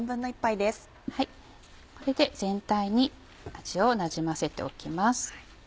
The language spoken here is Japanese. これで全体に味をなじませておきます。